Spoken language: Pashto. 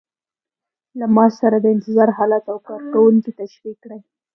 له معاش سره د انتظار حالت او کارکوونکي تشریح کړئ.